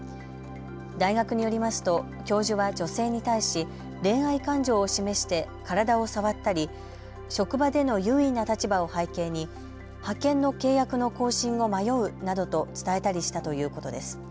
大学によりますと教授は女性に対し恋愛感情を示して体を触ったり職場での優位な立場を背景に派遣の契約の更新を迷うなどと伝えたりしたということです。